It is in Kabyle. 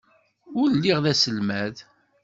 Ul lliɣ d aselmad.